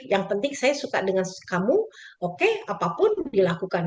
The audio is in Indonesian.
yang penting saya suka dengan kamu oke apapun dilakukan